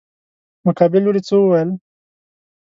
مقابل لوري څه وويل.